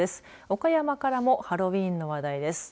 岡山からもハロウィーンの話題です。